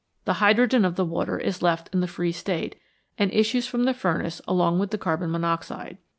The hydrogen of the water is left in the free state, and issues from the furnace along with the carbon monoxide.